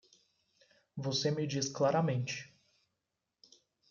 Você me diz claramente